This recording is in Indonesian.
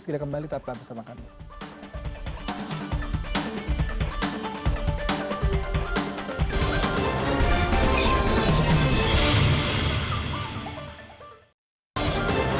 segera kembali tetap bersama kami